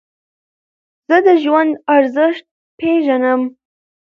زه د ژوند ارزښت پېژنم.